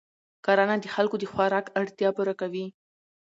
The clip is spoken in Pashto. کرنه د خلکو د خوراک اړتیا پوره کوي